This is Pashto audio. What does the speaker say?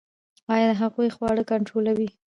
ایا د هغوی خواړه کنټرولوئ؟